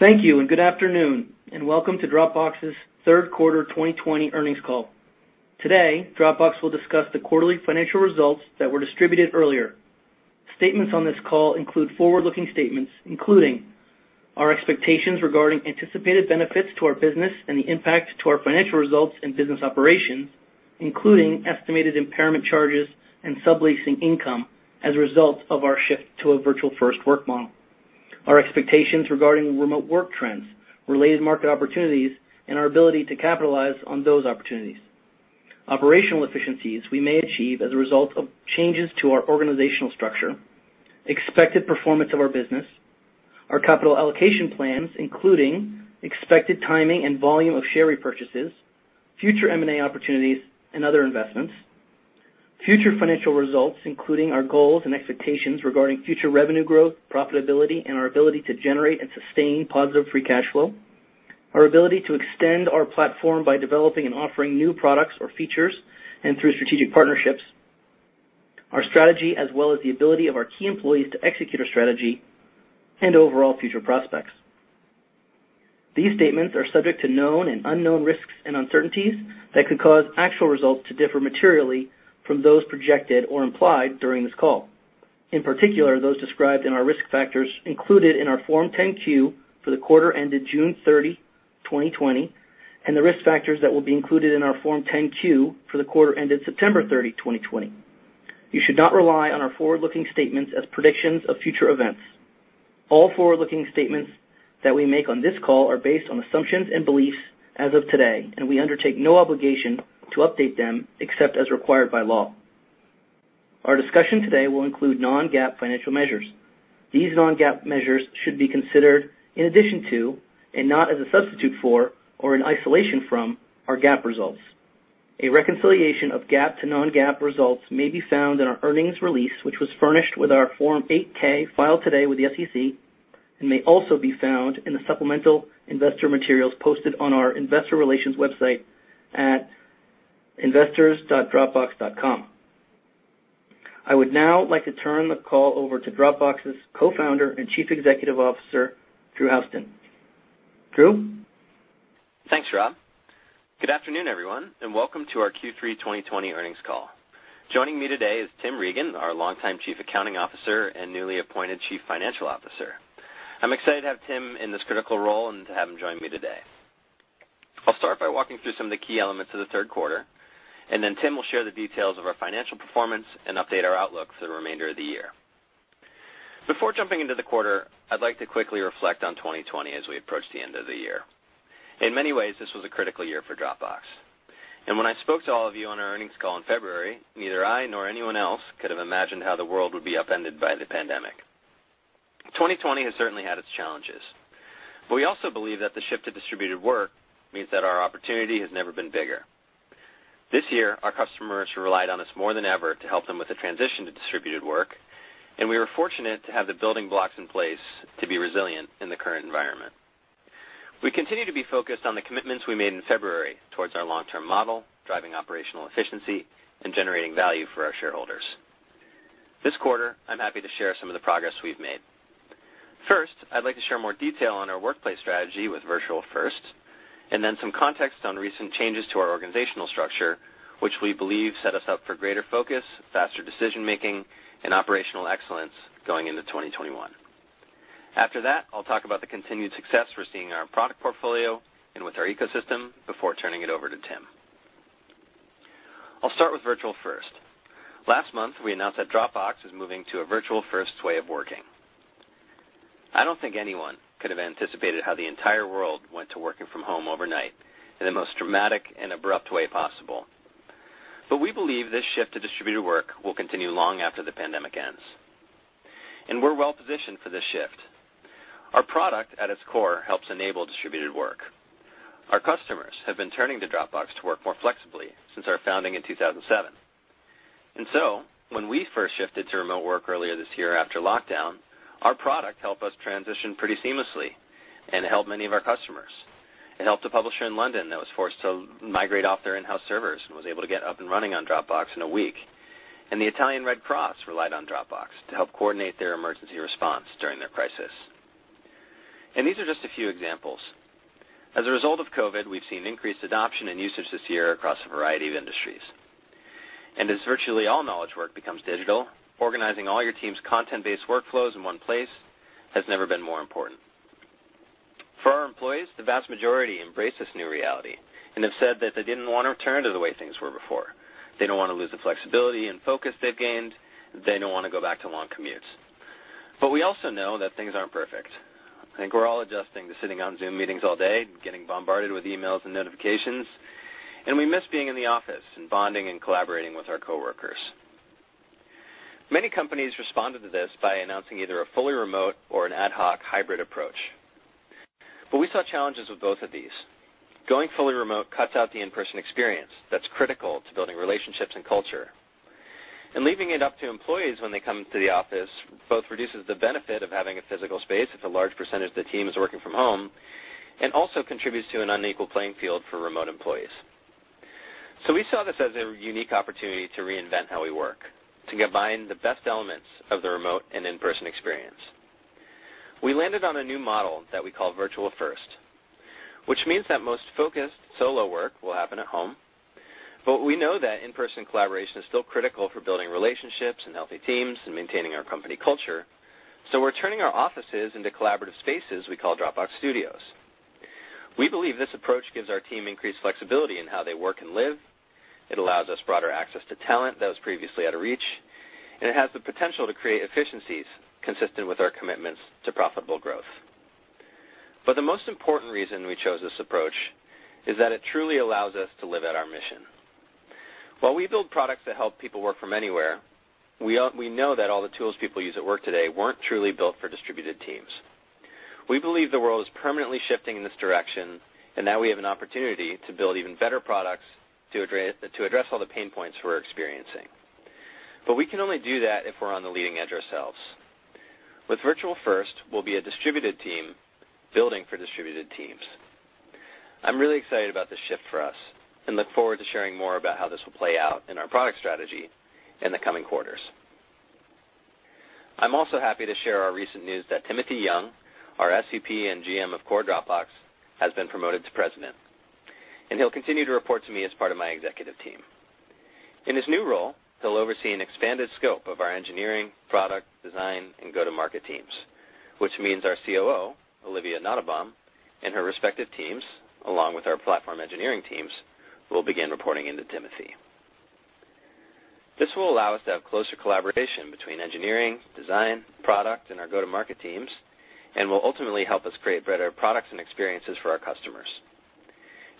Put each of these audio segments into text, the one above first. Thank you. Good afternoon, and welcome to Dropbox's third quarter 2020 earnings call. Today, Dropbox will discuss the quarterly financial results that were distributed earlier. Statements on this call include forward-looking statements, including our expectations regarding anticipated benefits to our business and the impact to our financial results and business operations, including estimated impairment charges and subleasing income as a result of our shift to a Virtual First work model. Our expectations regarding remote work trends, related market opportunities, and our ability to capitalize on those opportunities. Operational efficiencies we may achieve as a result of changes to our organizational structure, expected performance of our business, our capital allocation plans, including expected timing and volume of share repurchases, future M&A opportunities, and other investments. Future financial results, including our goals and expectations regarding future revenue growth, profitability, and our ability to generate and sustain positive free cash flow. Our ability to extend our platform by developing and offering new products or features and through strategic partnerships. Our strategy, as well as the ability of our key employees to execute our strategy, and overall future prospects. These statements are subject to known and unknown risks and uncertainties that could cause actual results to differ materially from those projected or implied during this call, in particular, those described in our risk factors included in our Form 10-Q for the quarter ended June 30, 2020, and the risk factors that will be included in our Form 10-Q for the quarter ended September 30, 2020. You should not rely on our forward-looking statements as predictions of future events. All forward-looking statements that we make on this call are based on assumptions and beliefs as of today, and we undertake no obligation to update them except as required by law. Our discussion today will include non-GAAP financial measures. These non-GAAP measures should be considered in addition to, and not as a substitute for or in isolation from, our GAAP results. A reconciliation of GAAP to non-GAAP results may be found in our earnings release, which was furnished with our Form 8-K filed today with the SEC and may also be found in the supplemental investor materials posted on our investor relations website at investors.dropbox.com. I would now like to turn the call over to Dropbox's Co-founder and Chief Executive Officer, Drew Houston. Drew? Thanks, Rob. Good afternoon, everyone. Welcome to our Q3 2020 earnings call. Joining me today is Tim Regan, our longtime Chief Accounting Officer and newly appointed Chief Financial Officer. I'm excited to have Tim in this critical role and to have him join me today. I'll start by walking through some of the key elements of the third quarter. Then Tim will share the details of our financial performance and update our outlook for the remainder of the year. Before jumping into the quarter, I'd like to quickly reflect on 2020 as we approach the end of the year. In many ways, this was a critical year for Dropbox. When I spoke to all of you on our earnings call in February, neither I nor anyone else could have imagined how the world would be upended by the pandemic. 2020 has certainly had its challenges, but we also believe that the shift to distributed work means that our opportunity has never been bigger. This year, our customers relied on us more than ever to help them with the transition to distributed work, and we were fortunate to have the building blocks in place to be resilient in the current environment. We continue to be focused on the commitments we made in February towards our long-term model, driving operational efficiency and generating value for our shareholders. This quarter, I'm happy to share some of the progress we've made. First, I'd like to share more detail on our workplace strategy with Virtual First and then some context on recent changes to our organizational structure, which we believe set us up for greater focus, faster decision-making, and operational excellence going into 2021. After that, I'll talk about the continued success we're seeing in our product portfolio and with our ecosystem before turning it over to Tim. I'll start with Virtual First. Last month, we announced that Dropbox is moving to a Virtual First way of working. I don't think anyone could have anticipated how the entire world went to working from home overnight in the most dramatic and abrupt way possible. We believe this shift to distributed work will continue long after the pandemic ends. We're well-positioned for this shift. Our product, at its core, helps enable distributed work. Our customers have been turning to Dropbox to work more flexibly since our founding in 2007. When we first shifted to remote work earlier this year after lockdown, our product helped us transition pretty seamlessly and helped many of our customers. It helped a publisher in London that was forced to migrate off their in-house servers and was able to get up and running on Dropbox in a week. The Italian Red Cross relied on Dropbox to help coordinate their emergency response during their crisis. These are just a few examples. As a result of COVID, we've seen increased adoption and usage this year across a variety of industries. As virtually all knowledge work becomes digital, organizing all your team's content-based workflows in one place has never been more important. For our employees, the vast majority embrace this new reality and have said that they didn't want to return to the way things were before. They don't want to lose the flexibility and focus they've gained. They don't want to go back to long commutes. We also know that things aren't perfect. I think we're all adjusting to sitting on Zoom meetings all day, getting bombarded with emails and notifications, we miss being in the office and bonding and collaborating with our coworkers. Many companies responded to this by announcing either a fully remote or an ad hoc hybrid approach. We saw challenges with both of these. Going fully remote cuts out the in-person experience that's critical to building relationships and culture. Leaving it up to employees when they come to the office both reduces the benefit of having a physical space if a large percentage of the team is working from home and also contributes to an unequal playing field for remote employees. We saw this as a unique opportunity to reinvent how we work, to combine the best elements of the remote and in-person experience. We landed on a new model that we call Virtual First, which means that most focused solo work will happen at home. We know that in-person collaboration is still critical for building relationships and healthy teams and maintaining our company culture. We're turning our offices into collaborative spaces we call Dropbox Studios. We believe this approach gives our team increased flexibility in how they work and live, it allows us broader access to talent that was previously out of reach, and it has the potential to create efficiencies consistent with our commitments to profitable growth. The most important reason we chose this approach is that it truly allows us to live out our mission. While we build products that help people work from anywhere, we know that all the tools people use at work today weren't truly built for distributed teams. We believe the world is permanently shifting in this direction, and now we have an opportunity to build even better products to address all the pain points we're experiencing. We can only do that if we're on the leading edge ourselves. With Virtual First, we'll be a distributed team building for distributed teams. I'm really excited about this shift for us and look forward to sharing more about how this will play out in our product strategy in the coming quarters. I'm also happy to share our recent news that Timothy Young, our SVP and GM of Core Dropbox, has been promoted to President, and he'll continue to report to me as part of my executive team. In his new role, he'll oversee an expanded scope of our engineering, product, design, and go-to-market teams, which means our COO, Olivia Nottebohm, and her respective teams, along with our platform engineering teams, will begin reporting into Timothy. This will allow us to have closer collaboration between engineering, design, product, and our go-to-market teams and will ultimately help us create better products and experiences for our customers.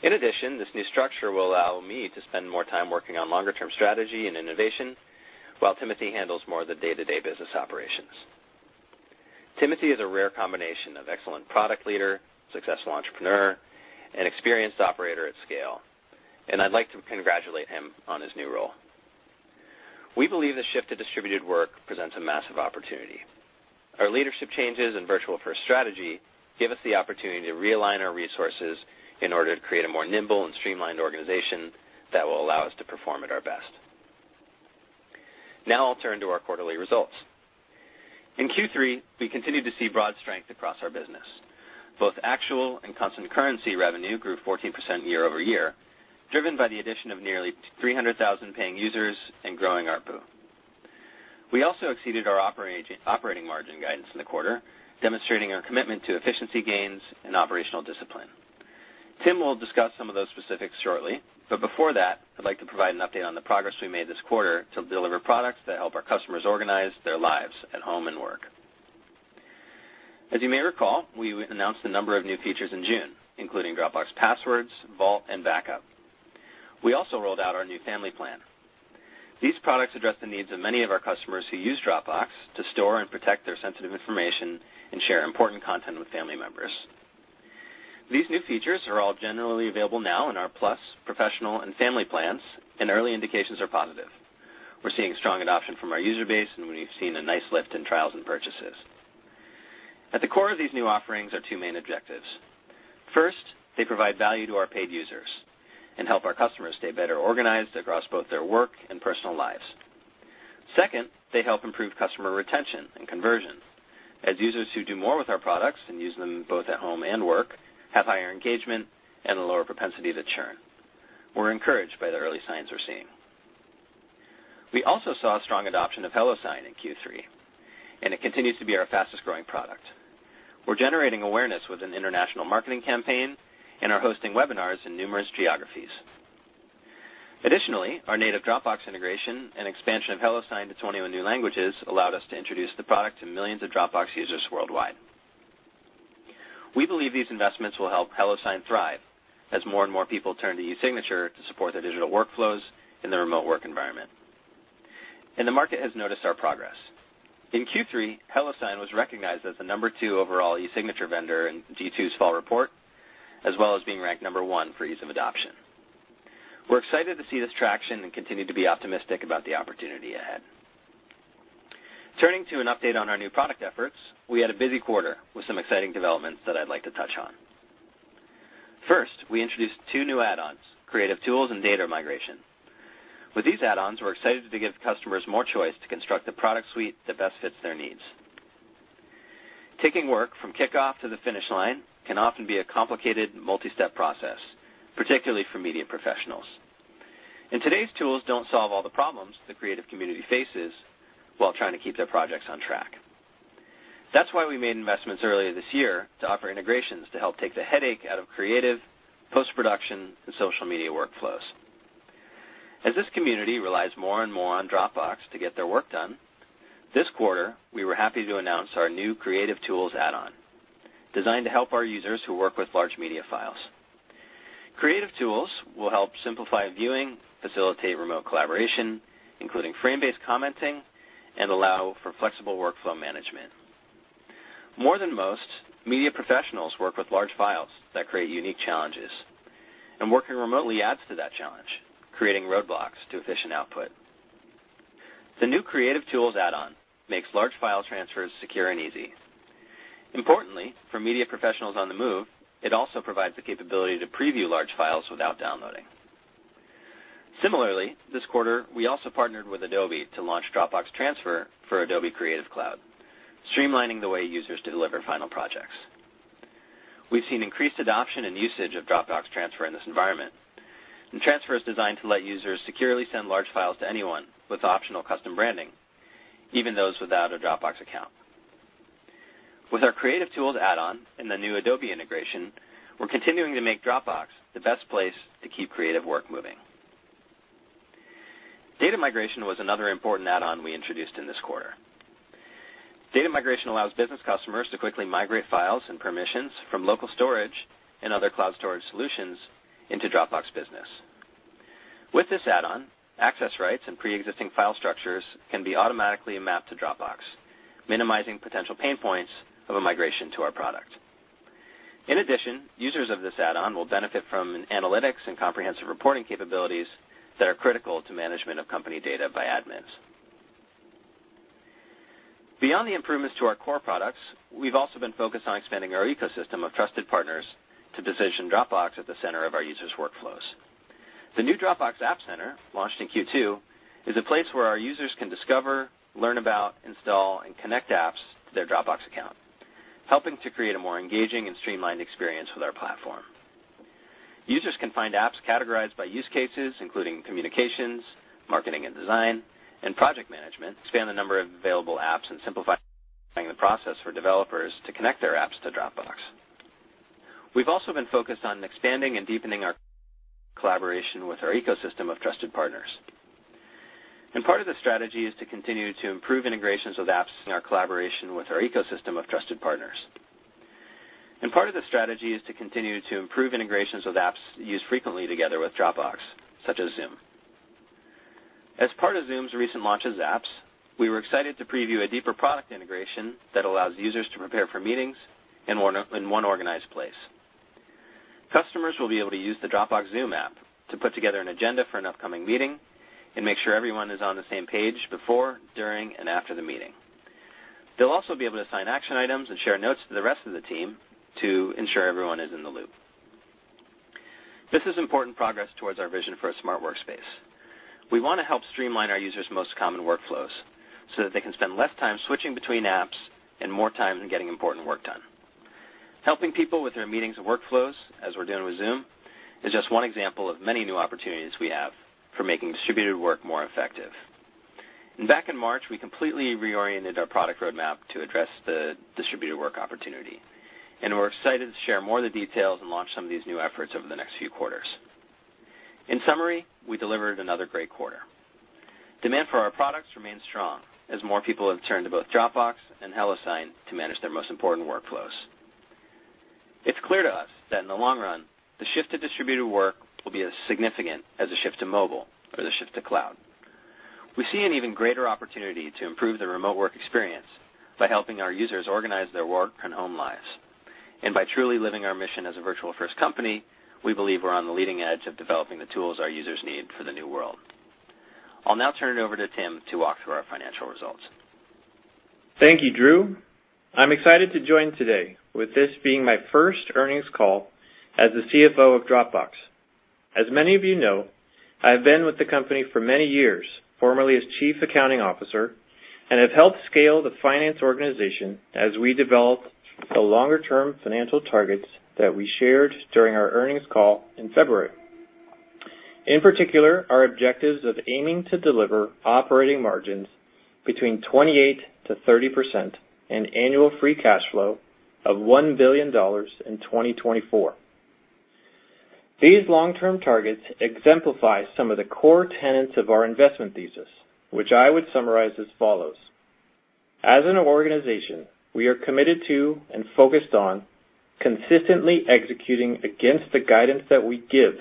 In addition, this new structure will allow me to spend more time working on longer-term strategy and innovation while Timothy handles more of the day-to-day business operations. Timothy is a rare combination of excellent product leader, successful entrepreneur, and experienced operator at scale, and I'd like to congratulate him on his new role. We believe the shift to distributed work presents a massive opportunity. Our leadership changes and Virtual First strategy give us the opportunity to realign our resources in order to create a more nimble and streamlined organization that will allow us to perform at our best. I'll turn to our quarterly results. In Q3, we continued to see broad strength across our business. Both actual and constant currency revenue grew 14% year-over-year, driven by the addition of nearly 300,000 paying users and growing ARPU. We also exceeded our operating margin guidance in the quarter, demonstrating our commitment to efficiency gains and operational discipline. Tim will discuss some of those specifics shortly, before that, I'd like to provide an update on the progress we made this quarter to deliver products that help our customers organize their lives at home and work. As you may recall, we announced a number of new features in June, including Dropbox Passwords, Vault, and Backup. We also rolled out our new Family Plan. These products address the needs of many of our customers who use Dropbox to store and protect their sensitive information and share important content with family members. These new features are all generally available now in our Plus, Professional, and Family Plans, and early indications are positive. We're seeing strong adoption from our user base, and we've seen a nice lift in trials and purchases. At the core of these new offerings are two main objectives. First, they provide value to our paid users and help our customers stay better organized across both their work and personal lives. Second, they help improve customer retention and conversion as users who do more with our products and use them both at home and work have higher engagement and a lower propensity to churn. We're encouraged by the early signs we're seeing. We also saw strong adoption of HelloSign in Q3, and it continues to be our fastest-growing product. We're generating awareness with an international marketing campaign and are hosting webinars in numerous geographies. Additionally, our native Dropbox integration and expansion of HelloSign to 21 new languages allowed us to introduce the product to millions of Dropbox users worldwide. We believe these investments will help HelloSign thrive as more and more people turn to eSignature to support their digital workflows in the remote work environment. The market has noticed our progress. In Q3, HelloSign was recognized as the number two overall eSignature vendor in G2 Fall Report, as well as being ranked number one for ease of adoption. We're excited to see this traction and continue to be optimistic about the opportunity ahead. Turning to an update on our new product efforts, we had a busy quarter with some exciting developments that I'd like to touch on. First, we introduced two new add-ons, Creative Tools and Data Migration. With these add-ons, we're excited to give customers more choice to construct the product suite that best fits their needs. Taking work from kickoff to the finish line can often be a complicated multi-step process, particularly for media professionals. Today's tools don't solve all the problems the creative community faces while trying to keep their projects on track. That's why we made investments earlier this year to offer integrations to help take the headache out of creative, post-production, and social media workflows. As this community relies more and more on Dropbox to get their work done, this quarter, we were happy to announce our new Creative Tools Add-On, designed to help our users who work with large media files. Creative Tools will help simplify viewing, facilitate remote collaboration, including frame-based commenting, and allow for flexible workflow management. More than most, media professionals work with large files that create unique challenges, and working remotely adds to that challenge, creating roadblocks to efficient output. The new Creative Tools Add-On makes large file transfers secure and easy. Importantly, for media professionals on the move, it also provides the capability to preview large files without downloading. Similarly, this quarter, we also partnered with Adobe to launch Dropbox Transfer for Adobe Creative Cloud, streamlining the way users deliver final projects. We've seen increased adoption and usage of Dropbox Transfer in this environment. Transfer is designed to let users securely send large files to anyone with optional custom branding, even those without a Dropbox account. With our Creative Tools Add-On and the new Adobe integration, we're continuing to make Dropbox the best place to keep creative work moving. Data Migration was another important add-on we introduced in this quarter. Data Migration allows business customers to quickly migrate files and permissions from local storage and other cloud storage solutions into Dropbox Business. With this add-on, access rights and preexisting file structures can be automatically mapped to Dropbox, minimizing potential pain points of a migration to our product. Users of this add-on will benefit from analytics and comprehensive reporting capabilities that are critical to management of company data by admins. Beyond the improvements to our core products, we've also been focused on expanding our ecosystem of trusted partners to position Dropbox at the center of our users' workflows. The new Dropbox App Center, launched in Q2, is a place where our users can discover, learn about, install, and connect apps to their Dropbox account, helping to create a more engaging and streamlined experience with our platform. Users can find apps categorized by use cases, including communications, marketing and design, and project management, expand the number of available apps, and simplifying the process for developers to connect their apps to Dropbox. We've also been focused on expanding and deepening our collaboration with our ecosystem of trusted partners. Part of the strategy is to continue to improve integrations of apps in our collaboration with our ecosystems of our trusted partners. Part of the strategy is to continue to improve integrations in apps used frequently together with Dropbox, such as Zoom. As part of Zoom's recent launch of Zapps, we were excited to preview a deeper product integration that allows users to prepare for meetings in one organized place. Customers will be able to use the Dropbox Zoom app to put together an agenda for an upcoming meeting and make sure everyone is on the same page before, during, and after the meeting. They'll also be able to assign action items and share notes to the rest of the team to ensure everyone is in the loop. This is important progress towards our vision for a smart workspace. We want to help streamline our users' most common workflows so that they can spend less time switching between apps and more time in getting important work done. Helping people with their meetings and workflows, as we're doing with Zoom, is just one example of many new opportunities we have for making distributed work more effective. Back in March, we completely reoriented our product roadmap to address the distributed work opportunity, and we're excited to share more of the details and launch some of these new efforts over the next few quarters. In summary, we delivered another great quarter. Demand for our products remains strong as more people have turned to both Dropbox and HelloSign to manage their most important workflows. It's clear to us that in the long run, the shift to distributed work will be as significant as the shift to mobile or the shift to cloud. We see an even greater opportunity to improve the remote work experience by helping our users organize their work and home lives. By truly living our mission as a Virtual First company, we believe we're on the leading edge of developing the tools our users need for the new world. I'll now turn it over to Tim to walk through our financial results. Thank you, Drew. I'm excited to join today, with this being my first earnings call as the CFO of Dropbox. As many of you know, I have been with the company for many years, formerly as Chief Accounting Officer, and have helped scale the finance organization as we develop the longer-term financial targets that we shared during our earnings call in February. In particular, our objectives of aiming to deliver operating margins between 28%-30% and annual free cash flow of $1 billion in 2024. These long-term targets exemplify some of the core tenets of our investment thesis, which I would summarize as follows. As an organization, we are committed to and focused on consistently executing against the guidance that we give,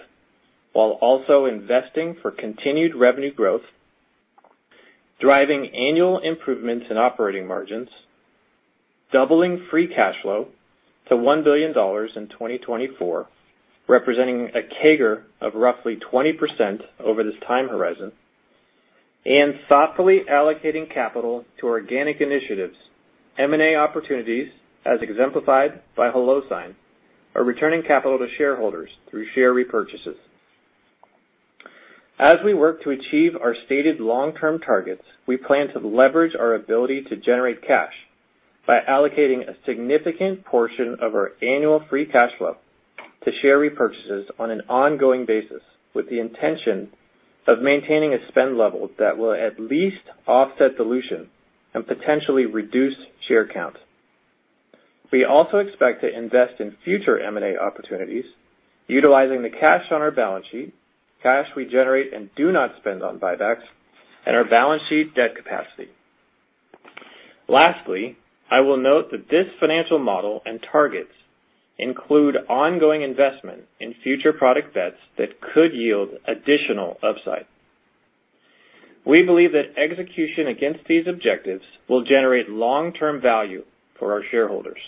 while also investing for continued revenue growth, driving annual improvements in operating margins, doubling free cash flow to $1 billion in 2024, representing a CAGR of roughly 20% over this time horizon, and thoughtfully allocating capital to organic initiatives, M&A opportunities, as exemplified by HelloSign, or returning capital to shareholders through share repurchases. As we work to achieve our stated long-term targets, we plan to leverage our ability to generate cash by allocating a significant portion of our annual free cash flow to share repurchases on an ongoing basis, with the intention of maintaining a spend level that will at least offset dilution and potentially reduce share count. We also expect to invest in future M&A opportunities utilizing the cash on our balance sheet, cash we generate and do not spend on buybacks, and our balance sheet debt capacity. Lastly, I will note that this financial model and targets include ongoing investment in future product bets that could yield additional upside. We believe that execution against these objectives will generate long-term value for our shareholders.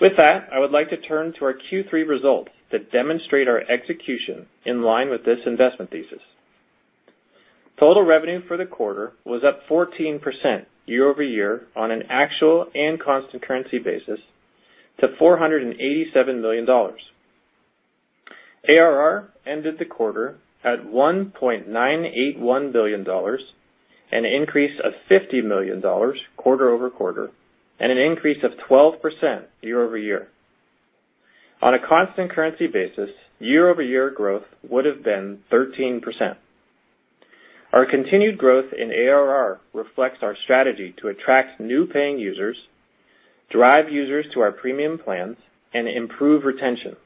With that, I would like to turn to our Q3 results that demonstrate our execution in line with this investment thesis. Total revenue for the quarter was up 14% year-over-year on an actual and constant currency basis to $487 million. ARR ended the quarter at $1.981 billion, an increase of $50 million quarter-over-quarter, and an increase of 12% year-over-year. On a constant currency basis, year-over-year growth would have been 13%. Our continued growth in ARR reflects our strategy to attract new paying users, drive users to our premium plans, and improve retention.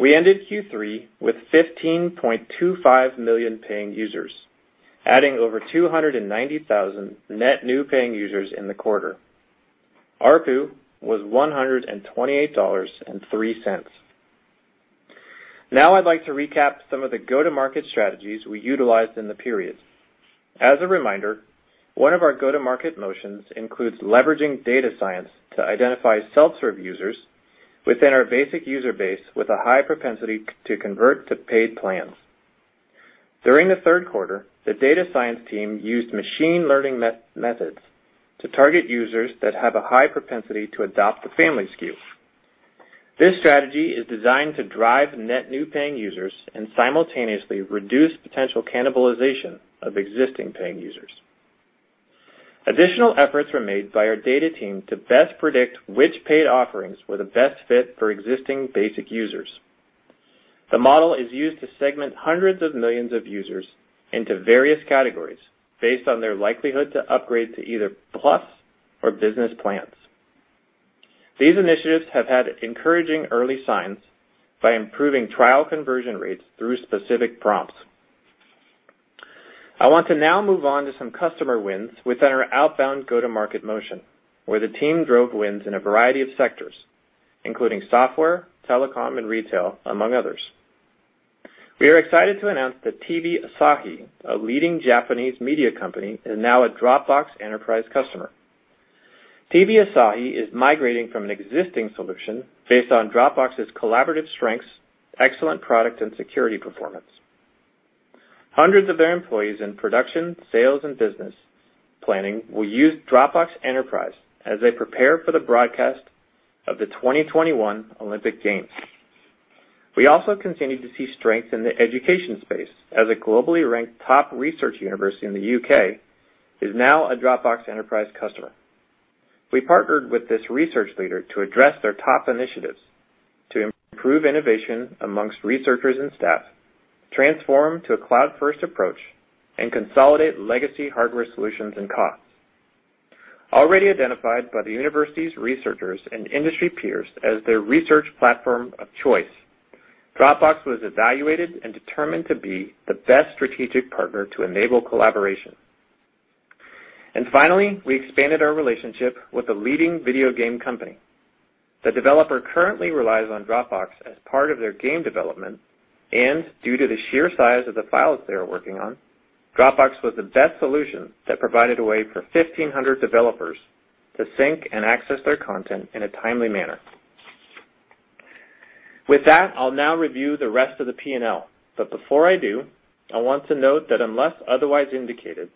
We ended Q3 with 15.25 million paying users, adding over 290,000 net new paying users in the quarter. ARPU was $128.03. Now I'd like to recap some of the go-to-market strategies we utilized in the period. As a reminder, one of our go-to-market motions includes leveraging data science to identify self-serve users within our basic user base with a high propensity to convert to paid plans. During the third quarter, the data science team used machine learning methods to target users that have a high propensity to adopt the Family SKU. This strategy is designed to drive net new paying users and simultaneously reduce potential cannibalization of existing paying users. Additional efforts were made by our data team to best predict which paid offerings were the best fit for existing basic users. The model is used to segment hundreds of millions of users into various categories based on their likelihood to upgrade to either Plus or Business plans. These initiatives have had encouraging early signs by improving trial conversion rates through specific prompts. I want to now move on to some customer wins within our outbound go-to-market motion, where the team drove wins in a variety of sectors, including software, telecom, and retail, among others. We are excited to announce that TV Asahi, a leading Japanese media company, is now a Dropbox Enterprise customer. TV Asahi is migrating from an existing solution based on Dropbox's collaborative strengths, excellent product, and security performance. Hundreds of their employees in production, sales, and business planning will use Dropbox Enterprise as they prepare for the broadcast of the 2021 Olympic Games. We also continue to see strength in the education space as a globally ranked top research university in the U.K. is now a Dropbox Enterprise customer. We partnered with this research leader to address their top initiatives to improve innovation amongst researchers and staff, transform to a cloud-first approach, and consolidate legacy hardware solutions and costs. Already identified by the university's researchers and industry peers as their research platform of choice, Dropbox was evaluated and determined to be the best strategic partner to enable collaboration. Finally, we expanded our relationship with a leading video game company. The developer currently relies on Dropbox as part of their game development and due to the sheer size of the files they are working on, Dropbox was the best solution that provided a way for 1,500 developers to sync and access their content in a timely manner. With that, I'll now review the rest of the P&L. Before I do, I want to note that unless otherwise indicated,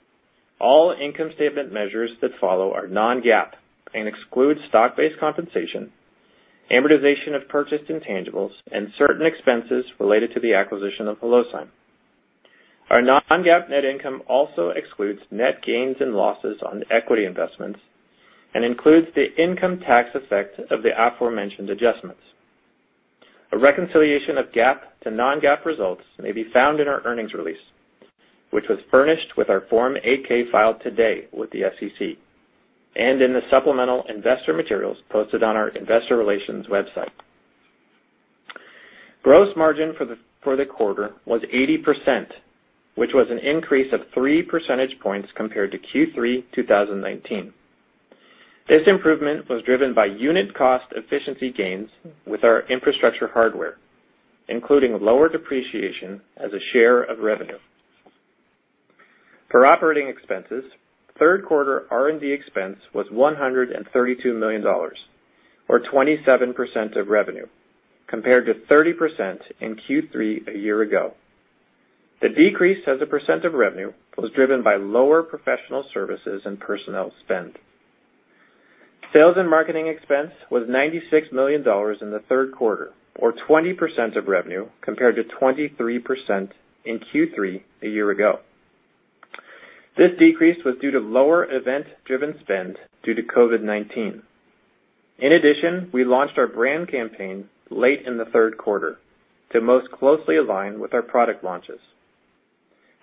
all income statement measures that follow are non-GAAP and exclude stock-based compensation, amortization of purchased intangibles, and certain expenses related to the acquisition of HelloSign. Our non-GAAP net income also excludes net gains and losses on equity investments and includes the income tax effect of the aforementioned adjustments. A reconciliation of GAAP to non-GAAP results may be found in our earnings release, which was furnished with our Form 8-K filed today with the SEC and in the supplemental investor materials posted on our investor relations website. Gross margin for the quarter was 80%, which was an increase of 3 percentage points compared to Q3 2019. This improvement was driven by unit cost efficiency gains with our infrastructure hardware, including lower depreciation as a share of revenue. For operating expenses, third quarter R&D expense was $132 million, or 27% of revenue, compared to 30% in Q3 a year ago. The decrease as a percent of revenue was driven by lower professional services and personnel spend. Sales and marketing expense was $96 million in the third quarter, or 20% of revenue, compared to 23% in Q3 a year ago. This decrease was due to lower event-driven spend due to COVID-19. In addition, we launched our brand campaign late in the third quarter to most closely align with our product launches.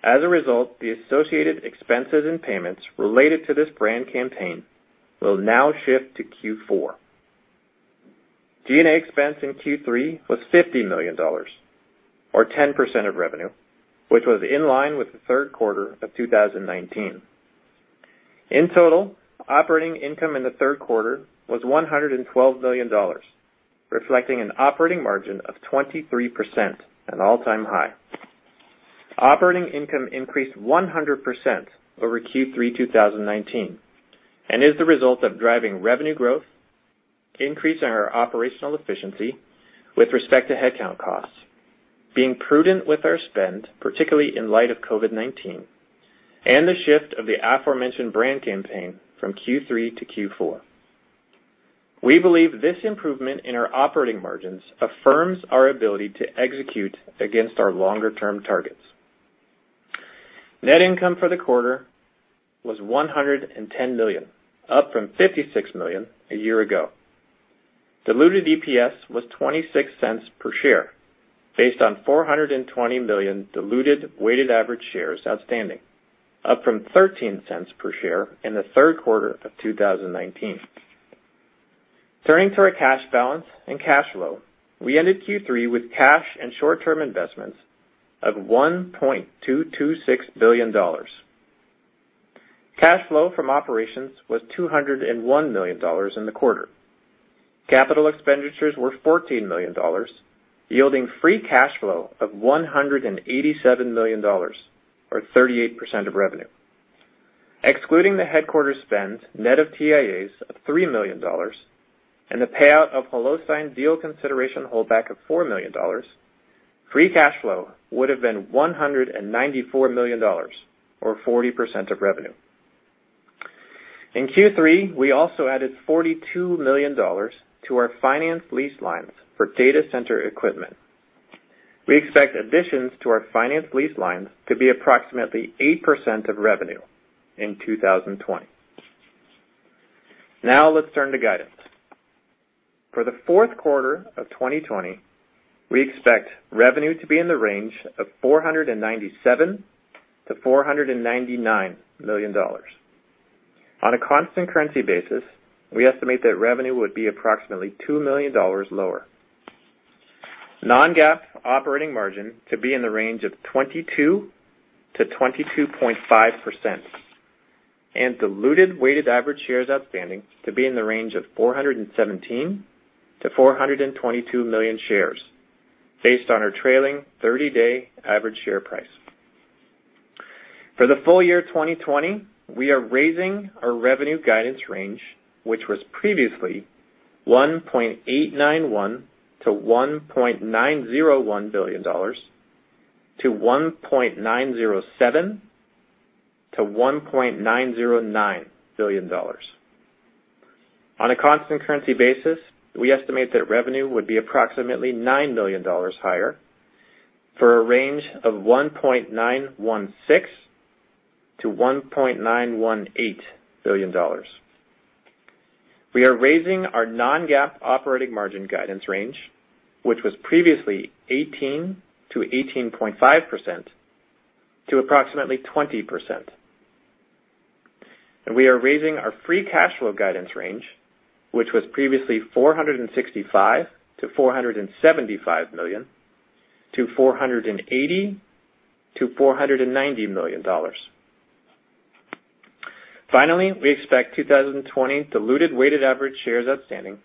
As a result, the associated expenses and payments related to this brand campaign will now shift to Q4. G&A expense in Q3 was $50 million, or 10% of revenue, which was in line with the third quarter of 2019. In total, operating income in the third quarter was $112 million, reflecting an operating margin of 23%, an all-time high. Operating income increased 100% over Q3 2019, and is the result of driving revenue growth, increasing our operational efficiency with respect to headcount costs, being prudent with our spend, particularly in light of COVID-19, and the shift of the aforementioned brand campaign from Q3 to Q4. We believe this improvement in our operating margins affirms our ability to execute against our longer-term targets. Net income for the quarter was $110 million, up from $56 million a year ago. Diluted EPS was $0.26 per share based on 420 million diluted weighted average shares outstanding, up from $0.13 per share in the third quarter of 2019. Turning to our cash balance and cash flow, we ended Q3 with cash and short-term investments of $1.226 billion. Cash flow from operations was $201 million in the quarter. Capital expenditures were $14 million, yielding free cash flow of $187 million, or 38% of revenue. Excluding the headquarter spend, net of TIAs of $3 million, and the payout of HelloSign deal consideration holdback of $4 million, free cash flow would've been $194 million, or 40% of revenue. In Q3, we also added $42 million to our finance lease lines for data center equipment. We expect additions to our finance lease lines to be approximately 8% of revenue in 2020. Let's turn to guidance. For the fourth quarter of 2020, we expect revenue to be in the range of $497 million-$499 million. On a constant currency basis, we estimate that revenue would be approximately $2 million lower. Non-GAAP operating margin to be in the range of 22%-22.5%. Diluted weighted average shares outstanding to be in the range of 417 million-422 million shares based on our trailing 30-day average share price. For the full year 2020, we are raising our revenue guidance range, which was previously $1.891 billion-$1.901 billion, to $1.907 billion-$1.909 billion. On a constant currency basis, we estimate that revenue would be approximately $9 million higher for a range of $1.916 billion-$1.918 billion. We are raising our non-GAAP operating margin guidance range, which was previously 18%-18.5%, to approximately 20%. We are raising our free cash flow guidance range, which was previously $465 million-$475 million, to $480 million-$490 million. Finally, we expect 2020 diluted weighted average shares outstanding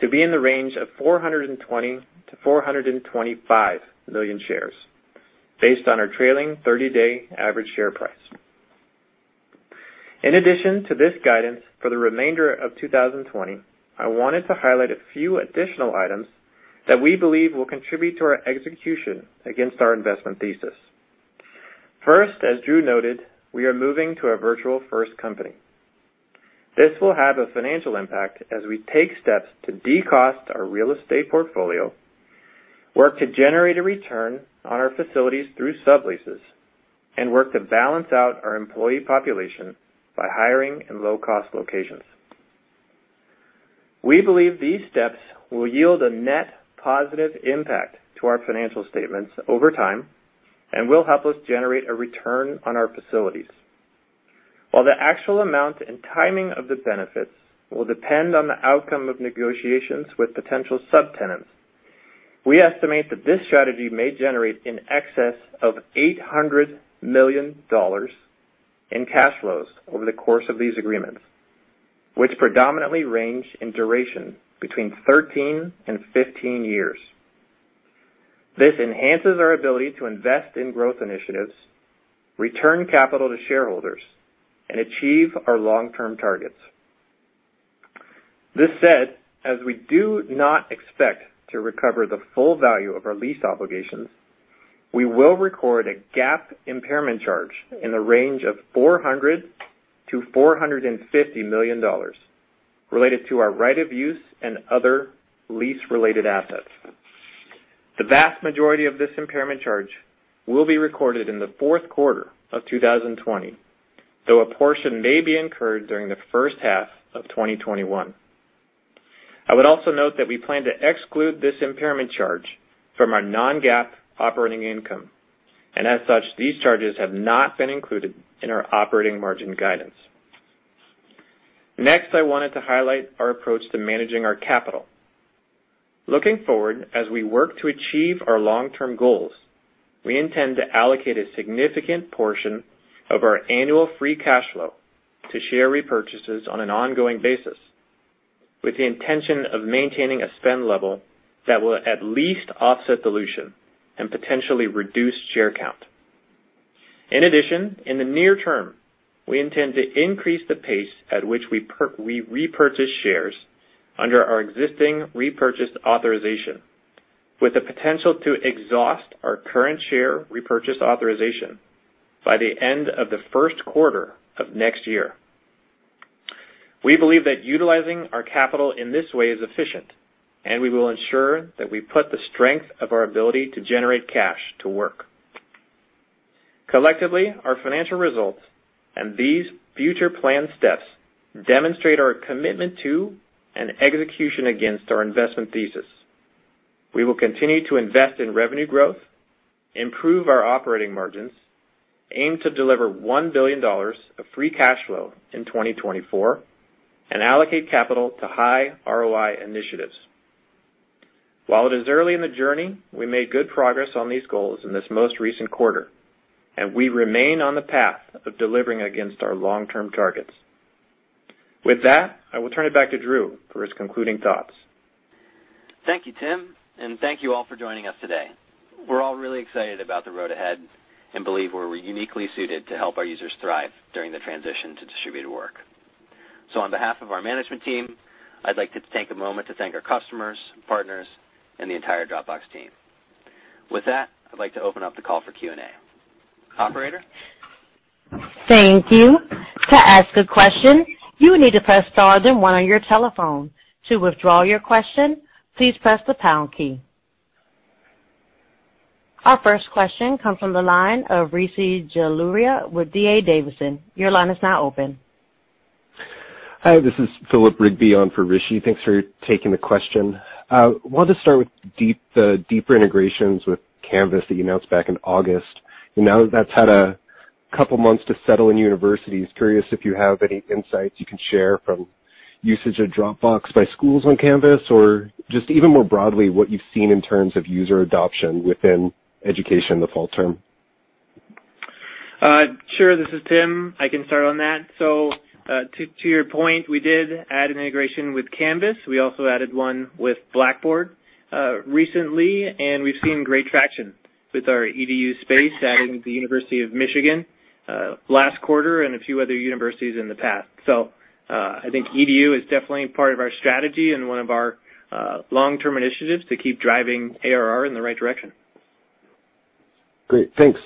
to be in the range of 420 million-425 million shares based on our trailing 30-day average share price. In addition to this guidance for the remainder of 2020, I wanted to highlight a few additional items that we believe will contribute to our execution against our investment thesis. First, as Drew noted, we are moving to a Virtual First company. This will have a financial impact as we take steps to de-cost our real estate portfolio, work to generate a return on our facilities through subleases, and work to balance out our employee population by hiring in low-cost locations. We believe these steps will yield a net positive impact to our financial statements over time and will help us generate a return on our facilities. While the actual amount and timing of the benefits will depend on the outcome of negotiations with potential subtenants, we estimate that this strategy may generate in excess of $800 million in cash flows over the course of these agreements, which predominantly range in duration between 13 and 15 years. This enhances our ability to invest in growth initiatives, return capital to shareholders, and achieve our long-term targets. This said, as we do not expect to recover the full value of our lease obligations, we will record a GAAP impairment charge in the range of $400 million-$450 million related to our right of use and other lease-related assets. The vast majority of this impairment charge will be recorded in the fourth quarter of 2020, though a portion may be incurred during the first half of 2021. I would also note that we plan to exclude this impairment charge from our non-GAAP operating income, and as such, these charges have not been included in our operating margin guidance. I wanted to highlight our approach to managing our capital. Looking forward, as we work to achieve our long-term goals, we intend to allocate a significant portion of our annual free cash flow to share repurchases on an ongoing basis with the intention of maintaining a spend level that will at least offset dilution and potentially reduce share count. In addition, in the near term, we intend to increase the pace at which we repurchase shares under our existing repurchase authorization, with the potential to exhaust our current share repurchase authorization by the end of the first quarter of next year. We believe that utilizing our capital in this way is efficient, and we will ensure that we put the strength of our ability to generate cash to work. Collectively, our financial results and these future planned steps demonstrate our commitment to and execution against our investment thesis. We will continue to invest in revenue growth, improve our operating margins, aim to deliver $1 billion of free cash flow in 2024, and allocate capital to high ROI initiatives. While it is early in the journey, we made good progress on these goals in this most recent quarter, and we remain on the path of delivering against our long-term targets. With that, I will turn it back to Drew for his concluding thoughts. Thank you, Tim, and thank you all for joining us today. We're all really excited about the road ahead and believe we're uniquely suited to help our users thrive during the transition to distributed work. On behalf of our management team, I'd like to take a moment to thank our customers, partners, and the entire Dropbox team. With that, I'd like to open up the call for Q&A. Operator? Thank you. To ask a question, you need to press star then one on your telephone. To withdraw your question, please press the pound key. Our first question comes from the line of Rishi Jaluria with D.A. Davidson. Your line is now open. Hi, this is Philip Rigby on for Rishi. Thanks for taking the question. I wanted to start with the deeper integrations with Canvas that you announced back in August. Now that that's had a couple of months to settle in universities, curious if you have any insights you can share from usage of Dropbox by schools on Canvas, or just even more broadly, what you've seen in terms of user adoption within education in the fall term. Sure. This is Tim. I can start on that. To your point, we did add an integration with Canvas. We also added one with Blackboard, recently, and we've seen great traction with our EDU space, adding the University of Michigan, last quarter and a few other universities in the past. I think EDU is definitely part of our strategy and one of our long-term initiatives to keep driving ARR in the right direction. Great. Thanks.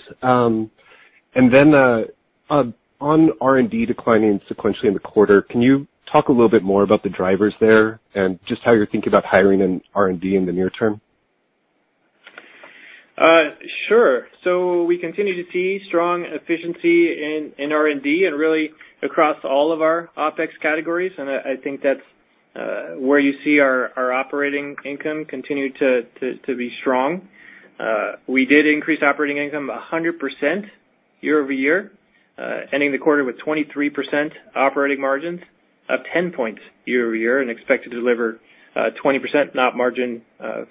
On R&D declining sequentially in the quarter, can you talk a little bit more about the drivers there and just how you're thinking about hiring in R&D in the near term? Sure. We continue to see strong efficiency in R&D and really across all of our OpEx categories, and I think that's where you see our operating income continue to be strong. We did increase operating income 100% year-over-year, ending the quarter with 23% operating margins, up 10 points year-over-year, and expect to deliver 20% op margin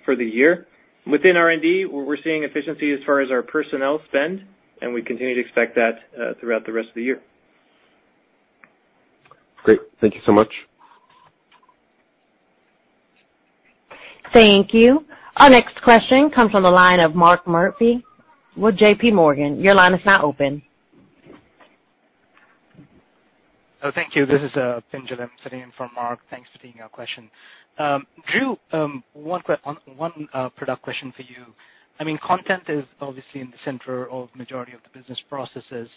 for the year. Within R&D, we're seeing efficiency as far as our personnel spend, and we continue to expect that throughout the rest of the year. Great. Thank you so much. Thank you. Our next question comes from the line of Mark Murphy with JPMorgan. Your line is now open. Oh, thank you. This is Pinjalim sitting in for Mark. Thanks for taking our question. Drew, one product question for you. Content is obviously in the center of majority of the business processes.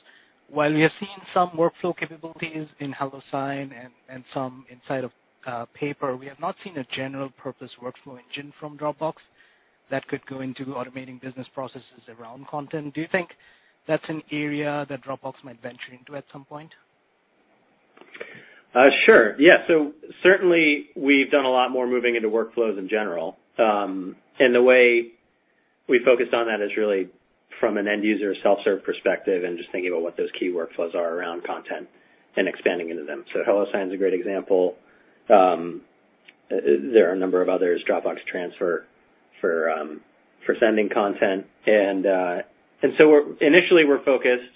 While we have seen some workflow capabilities in HelloSign and some inside of Paper, we have not seen a general purpose workflow engine from Dropbox that could go into automating business processes around content. Do you think that's an area that Dropbox might venture into at some point? Sure. Yeah. Certainly, we've done a lot more moving into workflows in general. The way we focused on that is really from an end user self-serve perspective and just thinking about what those key workflows are around content and expanding into them. HelloSign is a great example. There are a number of others, Dropbox Transfer for sending content. Initially, we're focused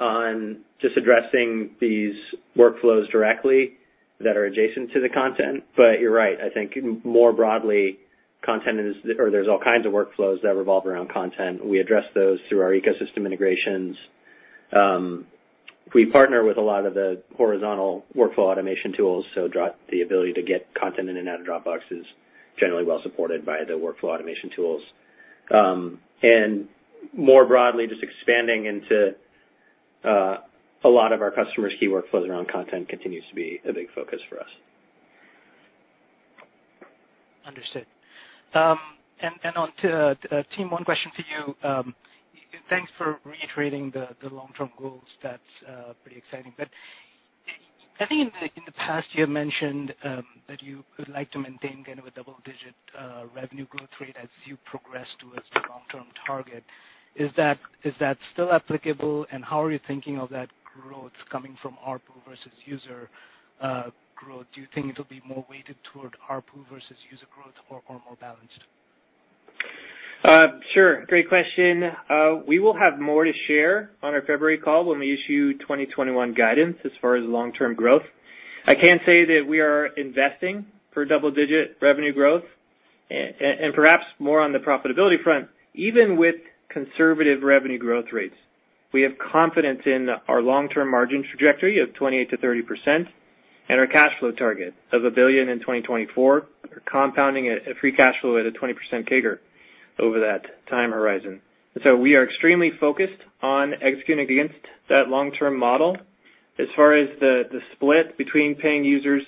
on just addressing these workflows directly that are adjacent to the content. You're right, I think more broadly, there's all kinds of workflows that revolve around content. We address those through our ecosystem integrations. We partner with a lot of the horizontal workflow automation tools, so the ability to get content in and out of Dropbox is generally well-supported by the workflow automation tools. More broadly, just expanding into a lot of our customers' key workflows around content continues to be a big focus for us. Understood. Onto Tim, one question for you. Thanks for reiterating the long-term goals. That's pretty exciting. I think in the past, you mentioned that you would like to maintain kind of a double-digit revenue growth rate as you progress towards the long-term target. Is that still applicable, and how are you thinking of that growth coming from ARPU versus user growth? Do you think it'll be more weighted toward ARPU versus user growth or more balanced? Sure. Great question. We will have more to share on our February call when we issue 2021 guidance as far as long-term growth. I can say that we are investing for double-digit revenue growth and perhaps more on the profitability front. Even with conservative revenue growth rates, we have confidence in our long-term margin trajectory of 28%-30% and our cash flow target of $1 billion in 2024. We're compounding it at free cash flow at a 20% CAGR over that time horizon. We are extremely focused on executing against that long-term model. As far as the split between paying users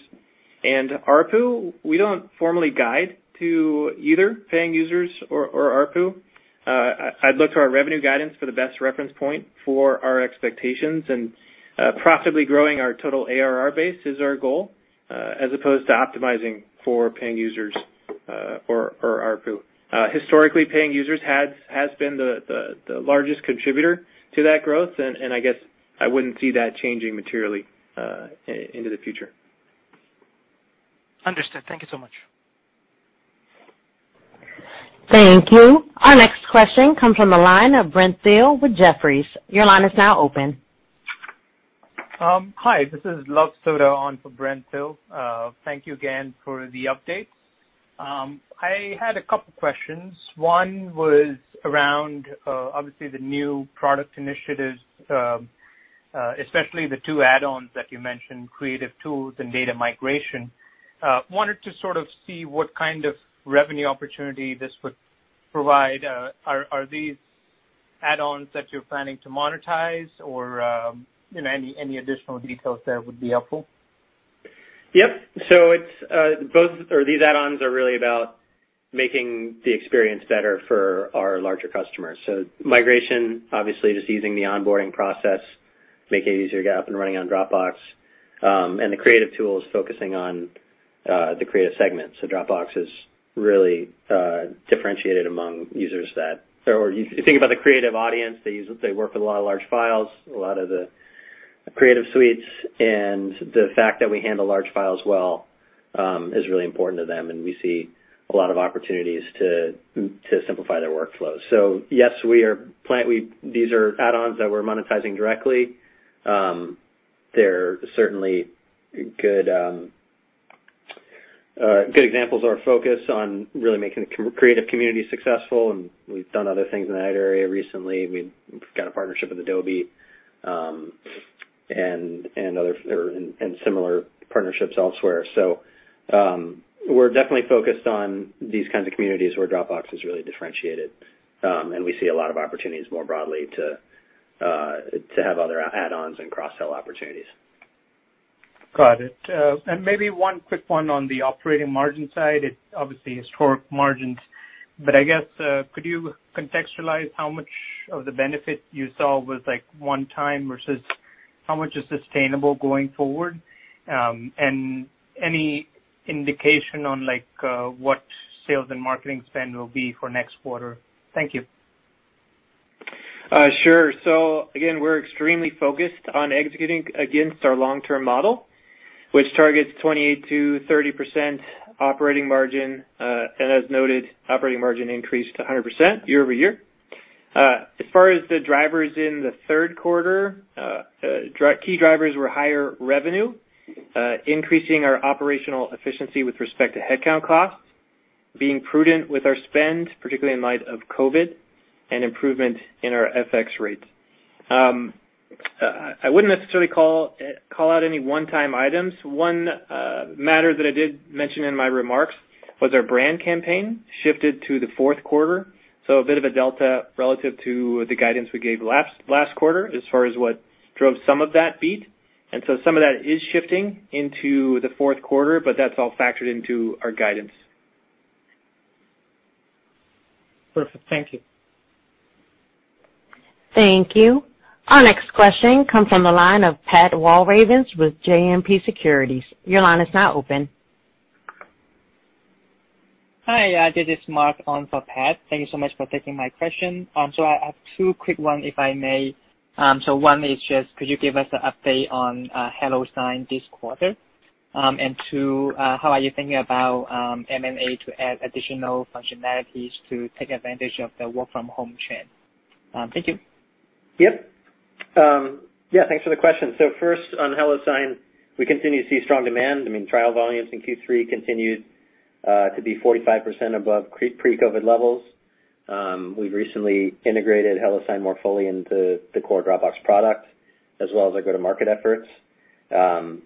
and ARPU, we don't formally guide to either paying users or ARPU. I'd look to our revenue guidance for the best reference point for our expectations, and profitably growing our total ARR base is our goal, as opposed to optimizing for paying users or ARPU. Historically, paying users has been the largest contributor to that growth, and I guess I wouldn't see that changing materially into the future. Understood. Thank you so much. Thank you. Our next question comes from the line of Brent Thill with Jefferies. Your line is now open. Hi, this is Luv Sodha on for Brent Thill. Thank you again for the update. I had a couple questions. One was around, obviously, the new product initiatives, especially the two add-ons that you mentioned, Creative Tools and Data Migration. I wanted to sort of see what kind of revenue opportunity this would provide. Are these add-ons that you're planning to monetize or any additional details there would be helpful? Yep. These add-ons are really about making the experience better for our larger customers. Migration, obviously, just easing the onboarding process, make it easier to get up and running on Dropbox, and the Creative Tools focusing on the creative segment. Dropbox is really differentiated among users or if you think about the creative audience, they work with a lot of large files, a lot of the creative suites, and the fact that we handle large files well is really important to them, and we see a lot of opportunities to simplify their workflows. Yes, these are add-ons that we're monetizing directly. They're certainly good examples of our focus on really making the creative community successful, and we've done other things in that area recently. We've got a partnership with Adobe and similar partnerships elsewhere. We're definitely focused on these kinds of communities where Dropbox is really differentiated, and we see a lot of opportunities more broadly to have other add-ons and cross-sell opportunities. Got it. Maybe one quick one on the operating margin side. Obviously, historic margins, I guess, could you contextualize how much of the benefit you saw was one time versus how much is sustainable going forward? Any indication on what sales and marketing spend will be for next quarter? Thank you. Sure. Again, we're extremely focused on executing against our long-term model, which targets 28%-30% operating margin, and as noted, operating margin increased to 100% year-over-year. As far as the drivers in the third quarter, key drivers were higher revenue, increasing our operational efficiency with respect to headcount costs, being prudent with our spend, particularly in light of COVID, and improvement in our FX rates. I wouldn't necessarily call out any one-time items. One matter that I did mention in my remarks was our brand campaign shifted to the fourth quarter, so a bit of a delta relative to the guidance we gave last quarter as far as what drove some of that beat. Some of that is shifting into the fourth quarter, but that's all factored into our guidance. Perfect. Thank you. Thank you. Our next question comes from the line of Pat Walravens with JMP Securities. Your line is now open. Hi, this is Mark on for Pat. Thank you so much for taking my question. I have two quick one if I may. One is just could you give us an update on HelloSign this quarter? Two, how are you thinking about M&A to add additional functionalities to take advantage of the work from home trend? Thank you. Thanks for the question. First on HelloSign, we continue to see strong demand. Trial volumes in Q3 continued to be 45% above pre-COVID levels. We've recently integrated HelloSign more fully into the Core Dropbox product, as well as our go-to-market efforts. On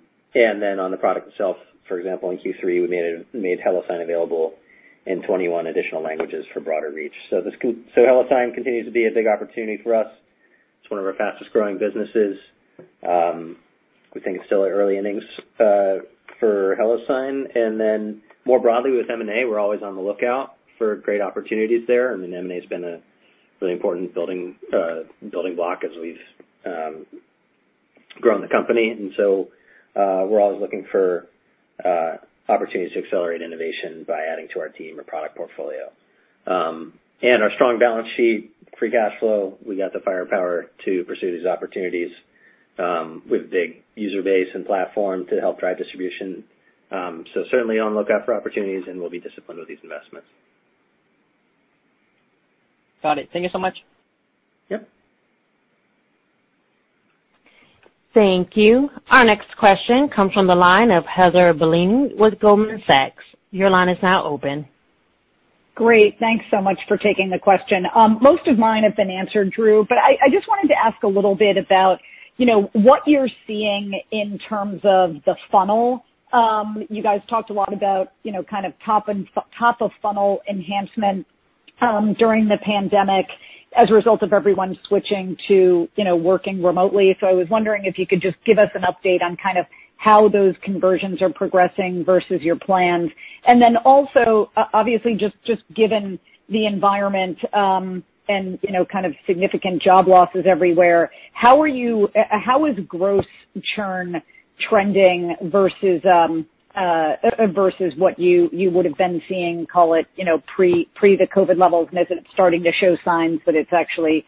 the product itself, for example, in Q3, we made HelloSign available in 21 additional languages for broader reach. HelloSign continues to be a big opportunity for us. It's one of our fastest-growing businesses. We think it's still at early innings for HelloSign. More broadly with M&A, we're always on the lookout for great opportunities there. M&A has been a really important building block as we've grown the company. We're always looking for opportunities to accelerate innovation by adding to our team or product portfolio. Our strong balance sheet, free cash flow, we got the firepower to pursue these opportunities. With big user base and platform to help drive distribution. Certainly on the lookout for opportunities and we'll be disciplined with these investments. Got it. Thank you so much. Yep. Thank you. Our next question comes from the line of Heather Bellini with Goldman Sachs. Your line is now open. Great. Thanks so much for taking the question. Most of mine have been answered, Drew. I just wanted to ask a little bit about what you're seeing in terms of the funnel. You guys talked a lot about top of funnel enhancement during the pandemic as a result of everyone switching to working remotely. I was wondering if you could just give us an update on how those conversions are progressing versus your plans. Also, obviously, just given the environment, and, kind of significant job losses everywhere, how is gross churn trending versus what you would have been seeing, call it, pre the COVID levels, and is it starting to show signs that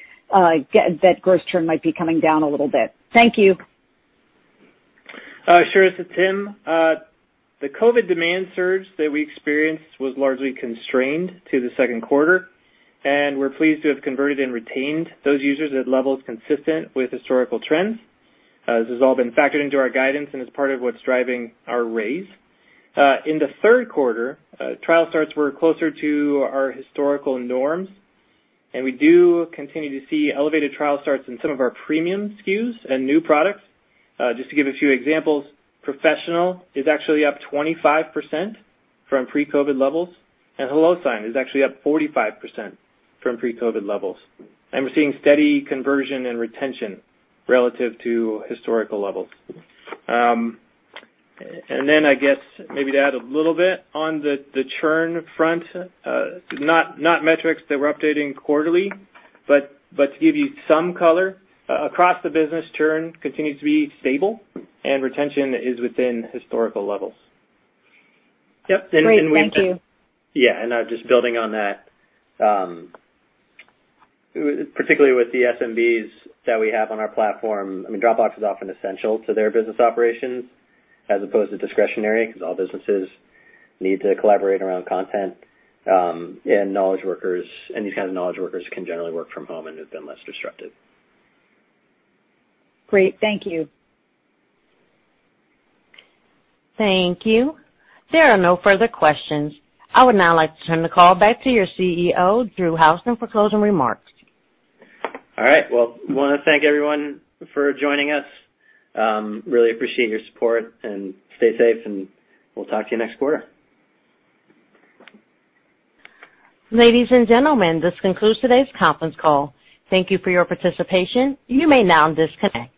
gross churn might be coming down a little bit? Thank you. Sure. This is Tim. The COVID demand surge that we experienced was largely constrained to the second quarter, and we're pleased to have converted and retained those users at levels consistent with historical trends. This has all been factored into our guidance and is part of what's driving our raise. In the third quarter, trial starts were closer to our historical norms, and we do continue to see elevated trial starts in some of our premium SKUs and new products. Just to give a few examples, Professional is actually up 25% from pre-COVID levels, and HelloSign is actually up 45% from pre-COVID levels. We're seeing steady conversion and retention relative to historical levels. I guess maybe to add a little bit on the churn front, not metrics that we're updating quarterly, but to give you some color, across the business, churn continues to be stable, and retention is within historical levels. Great. Thank you. Yeah. Just building on that, particularly with the SMBs that we have on our platform, Dropbox is often essential to their business operations as opposed to discretionary, because all businesses need to collaborate around content, and these kind of knowledge workers can generally work from home and have been less disrupted. Great. Thank you. Thank you. There are no further questions. I would now like to turn the call back to your CEO, Drew Houston, for closing remarks. All right. Well, I want to thank everyone for joining us. Really appreciate your support and stay safe. We'll talk to you next quarter. Ladies and gentlemen, this concludes today's conference call. Thank you for your participation. You may now disconnect.